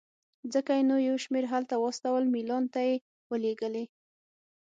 ځکه یې نو یو شمېر هلته واستول، میلان ته یې ولېږلې.